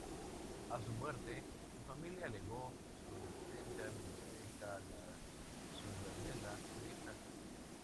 A su muerte, su familia legó su extensa biblioteca a la Ciudadela de Jaca.